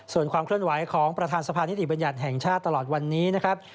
ส่วนความเคลื่อนไหวของประธานสภานิติบัญญัติแห่งชาติตลอดวันนี้นะครับ